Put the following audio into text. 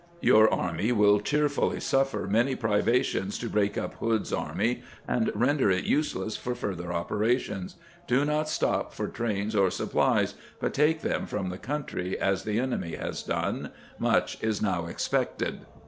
Your army will cheerfully suffer many privations to break up Hood's army and render it useless for future operations. Do not stop for trains or supplies, but take them from the country, as the enemy has done. Much is now expected."